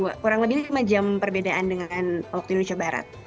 kurang lebih lima jam perbedaan dengan waktu indonesia barat